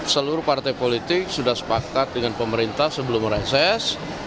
seluruh partai politik sudah sepakat dengan pemerintah sebelum reses